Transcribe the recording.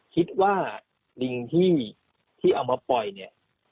คิดว่าลิงที่เอามาปล่อยเนี่ย